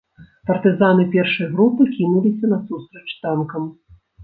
Партызаны першай групы кінуліся насустрач танкам.